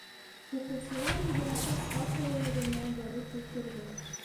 Уҡыусылар йүгерешеп парталарына барып ултырҙы.